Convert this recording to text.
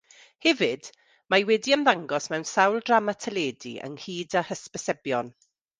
Hefyd, mae wedi ymddangos mewn sawl drama teledu ynghyd â hysbysebion.